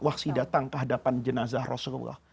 wahsy datang kehadapan jenazah rasulullah